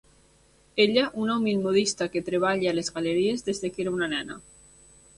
Ella, una humil modista que treballa a les galeries des que era una nena.